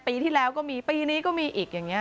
ปีที่แล้วก็มีปีนี้ก็มีอีกอย่างนี้